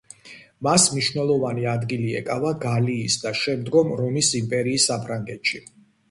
მას მნიშვნელოვანი ადგილი ეკავა გალიის და შემდგომ რომის იმპერიის საფრანგეთში.